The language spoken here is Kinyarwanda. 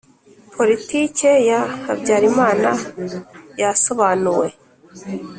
politike ya habyarimana yasobanuwe